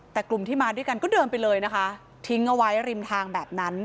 แต่กลุ่มที่มาด้วยกันก็เดินไปเลยนะคะทิ้งเอาไว้ริมทางแบบนั้น